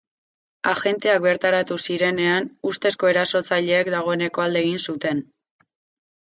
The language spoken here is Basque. Agenteak bertaratu zirenean, ustezko erasotzaileek dagoeneko alde egin zuten.